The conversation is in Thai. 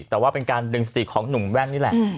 แต่ว่าเป็นการดึงสติของหนุ่มแว่นนี่แหละ